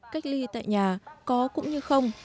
cách ly tại nhà có cũng như không